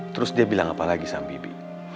terus dia bilang apa lagi sama bibi